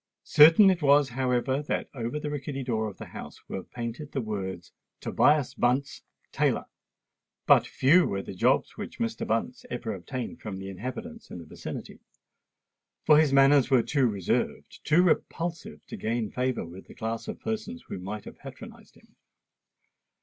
Certain it was, however, that over the rickety door of the house were painted the words—TOBIAS BUNCE, TAILOR; but few were the jobs which Mr. Bunce ever obtained from the inhabitants in the vicinity; for his manners were too reserved—too repulsive to gain favour with the class of persons who might have patronised him.